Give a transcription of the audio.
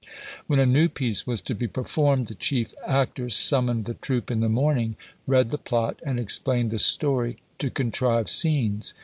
When a new piece was to be performed, the chief actor summoned the troop in the morning, read the plot, and explained the story, to contrive scenes.